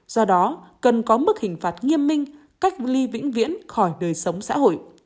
do đó cần có mức hình phạt nghiêm minh cách ly vĩnh viễn khỏi đời sống xã hội